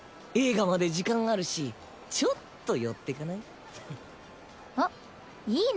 映画まで時間あるしちょっと寄ってかない？